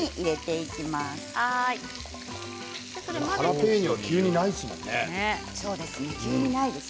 ハラペーニョ急にないですものね。